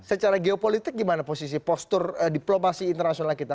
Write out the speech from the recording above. secara geopolitik gimana posisi postur diplomasi internasional kita